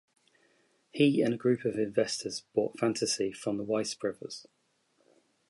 He and a group of investors bought Fantasy from the Weiss brothers.